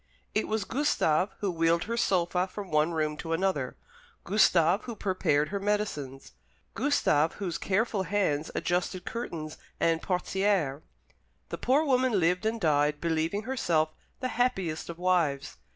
It was Gustave who wheeled her sofa from one room to another, Gustave who prepared her medicines, Gustave whose careful hands adjusted curtains and portières. The poor woman lived and died believing herself the happiest of wives.